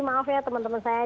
maaf ya teman teman saya